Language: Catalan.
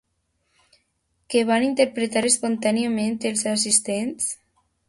Què van interpretar espontàniament els assistents?